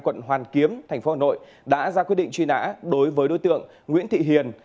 quận hoàn kiếm tp hà nội đã ra quyết định truy nã đối với đối tượng nguyễn thị hiền